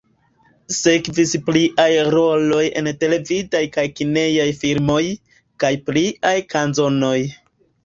Sekvis pliaj roloj en televidaj kaj kinejaj filmoj, kaj pliaj kanzonoj.